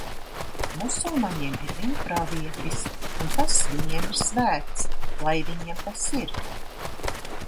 Musulmaņiem ir viņu pravietis. Un tas viņiem ir svēts. Lai viņiem tas ir!